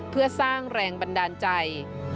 เพื่อสร้างแรงบันดาลใจ